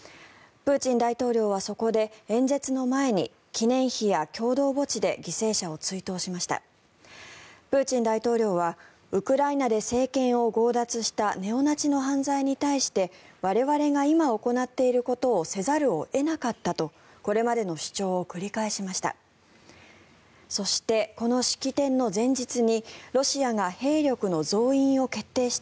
プーチン大統領はウクライナで政権を強奪したネオナチの犯罪に対して我々が今行っていることをせざるを得なかったとこれまでの主張を繰り返しました。